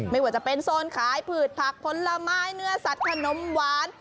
ไม่ว่าจะเป็นโซนขายผืดผักผลไม้เนื้อสัตว์ขนมหวาน